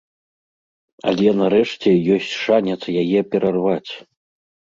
Але нарэшце ёсць шанец яе перарваць.